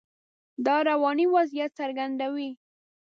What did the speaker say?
دا رواني وضعیت څرګندوي.